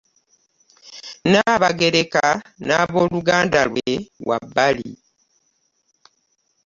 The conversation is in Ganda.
Nabagereka n'aboluganda lwe wa bbali.